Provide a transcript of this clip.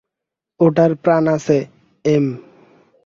ওটার প্রাণ আছে, এম।